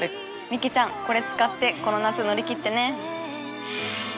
ミキちゃんこれ使ってこの夏乗り切ってね。